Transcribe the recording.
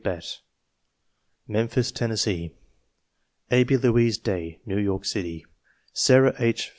Batte, Memphis, Tennessee Abbie Louise Day, New York City Sara H.